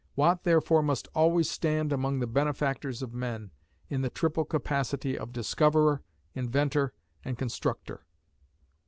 Watt therefore must always stand among the benefactors of men, in the triple capacity of discoverer, inventor, and constructor.